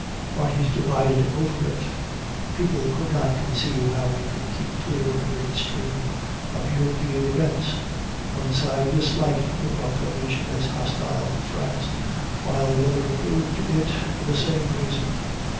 Parties divided over it. People could not conceive how we could keep clear of the great stream of European events. One side disliked the proclamation as hostile to France, while the other approved it for the same reason.